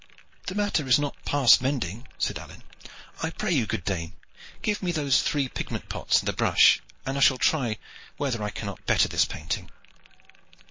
"The matter is not past mending," said Alleyne. "I pray you, good dame, to give me those three pigment pots and the brush, and I shall try whether I cannot better this painting."